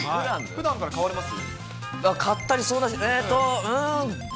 ふだんから買われます？